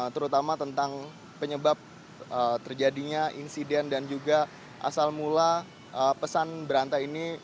terutama tentang penyebab terjadinya insiden dan juga asal mula pesan berantai ini